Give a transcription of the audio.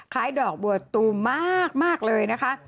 คล้ายดอกบัวตูมากเลยนะคะ